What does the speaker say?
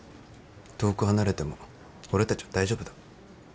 遠く離れても俺たちは大丈夫だ。